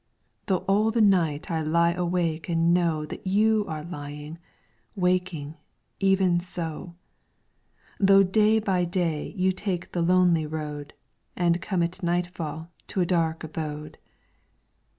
Though all the night I lie awake and know That you are lying, waking, even so. Though day by day you take the lonely road, And come at nightfall to a dark abode.